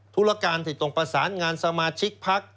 ธุรการที่ต้องประสานงานสมาชิกพัก